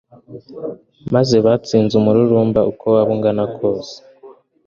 maze batsinde umururumba uko waba ungana kose